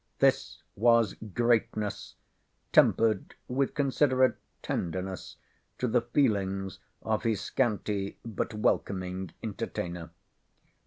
This was greatness, tempered with considerate tenderness to the feelings of his scanty but welcoming entertainer.